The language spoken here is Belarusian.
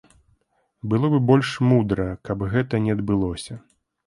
Было б больш мудра, каб гэтага не адбылося.